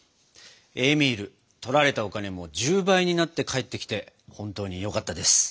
エーミールとられたお金も１０倍になって返ってきて本当によかったです。